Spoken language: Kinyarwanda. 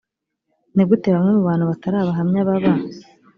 ni gute bamwe mu bantu batari abahamya baba